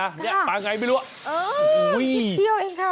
มันจะมีปังไงไม่รู้